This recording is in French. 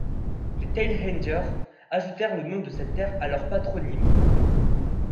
Les Tailhandier ajoutèrent le nom de cette terre à leur patronyme.